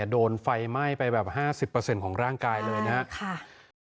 โดนไฟไหม้ไปแบบ๕๐ของร่างกายเลยนะครับ